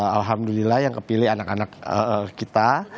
alhamdulillah yang kepilih anak anak kita